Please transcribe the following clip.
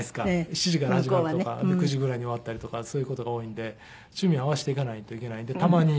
７時から始まるとか９時ぐらいに終わったりとかそういう事が多いんで趣味を合わせていかないといけないんでたまに。